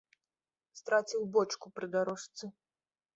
Страціў бочку пры дарожцы!